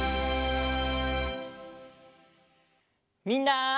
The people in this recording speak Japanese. みんな！